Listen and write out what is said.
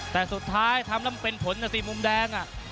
แต่สุดท้ายทำลำเป็นผลกับซีมมุมแดง